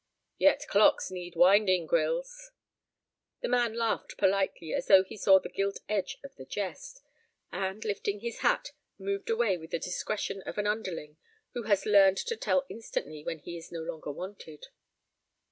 "Yet clocks need winding, Grylls." The man laughed politely as though he saw the gilt edge of the jest, and, lifting his hat, moved away with the discretion of an underling who has learned to tell instantly when he is no longer wanted.